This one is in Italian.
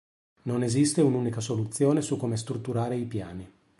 Non esiste un'unica soluzione su come strutturare i piani.